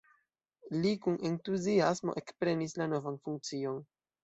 Li kun entuziasmo ekprenis la novan funkcion.